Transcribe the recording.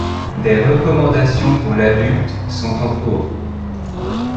Des recommandations pour l'adulte sont en cours.